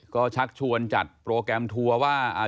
ก็ชักชวนจัดโปรแกรมทัวร์ว่า